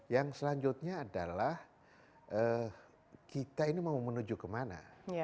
yang selanjutnya adalah kita ini mau menuju kemana